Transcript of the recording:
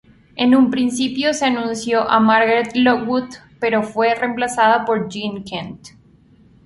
En un principio se anunció a Margaret Lockwood, pero fue reemplazada por Jean Kent.